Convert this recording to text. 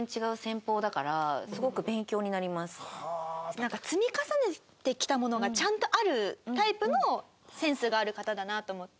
なんか積み重ねてきたものがちゃんとあるタイプのセンスがある方だなと思って。